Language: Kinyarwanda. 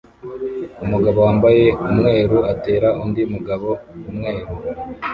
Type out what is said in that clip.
Umugabo wambaye umweru atera undi mugabo umweru